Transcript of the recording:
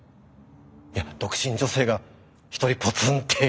いや独身女性が一人ポツンっていう。